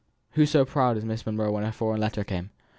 Who so proud as Miss Monro when a foreign letter came?